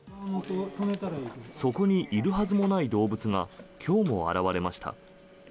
そこにいるはずもない動物が今日も現れました。